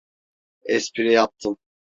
Espri yaptım.